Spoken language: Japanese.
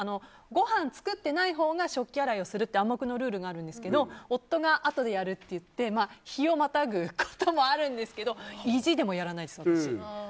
ごはん作ってないほうが食器洗いするっていう暗黙のルールがあるんですけど夫があとでやるといって日をまたぐこともあるんですけど意地でもやらないです、私。